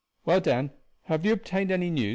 "Well, Dan, have you obtained any news?"